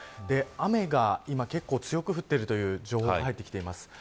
雨が結構、強く降っているという情報がきています。